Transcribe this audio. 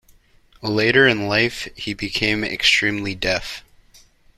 Later in life he became extremely deaf.